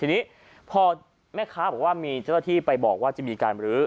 ทีนี้พอแม่ค้าบอกว่ามีเจ้าหน้าที่ไปบอกว่าจะมีการบรื้อ